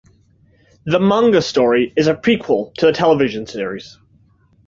The manga story is a prequel to the television series.